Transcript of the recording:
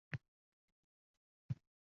Shu-chun, o’lsam, kunim bitib